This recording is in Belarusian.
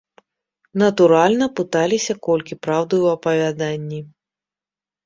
Натуральна, пыталіся колькі праўды ў апавяданні.